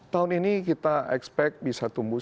tahun ini kita expect bisa tumbuh